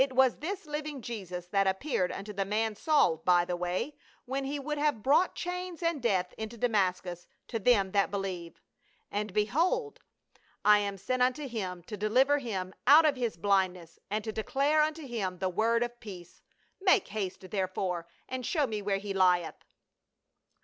It was this living Jesus that appeared unto the man Saul by the way, when he would have brought chains and death into Damascus to them that believe. And behold, I am sent unto 28 PA UL. him to deliver him out of his blindness, and to declare unto him the word of peace. Make haste, therefore, and show me where he lieth."